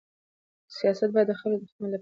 سیاست باید د خلکو د خدمت لپاره وي.